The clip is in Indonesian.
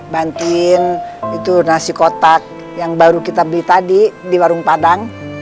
bantin itu nasi kotak yang baru kita beli tadi di warung padang